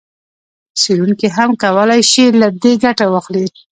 څېړونکي هم کولای شي له دې ګټه واخلي.